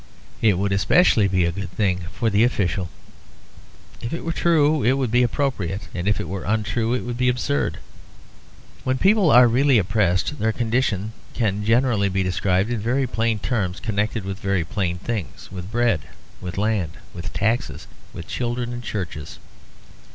It would especially be a good thing for the official. If it were true it would be appropriate, and if it were untrue it would be absurd. When people are really oppressed, their condition can generally be described in very plain terms connected with very plain things; with bread, with land, with taxes and children and churches.